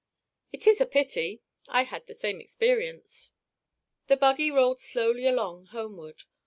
"It is a pity; I had the same experience." The buggy rolled slowly along homeward.